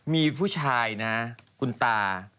มีผู้ชายนะคุณตา